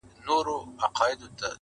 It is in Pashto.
له موږکه ځان ورک سوی دی غره دی,